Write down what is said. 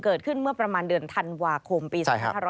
เกิดขึ้นเมื่อประมาณเดือนธันวาคมปี๒๕๕๙